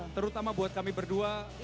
terutama buat kami berdua